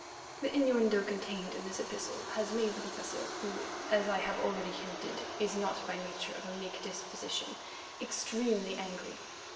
The innuendo contained in this epistle has made the Professor, who, as I have already hinted, is not by nature of a meek disposition, extremely angry.